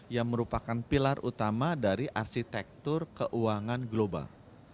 yang merupakan pilar utama dari arsitektur keuangan global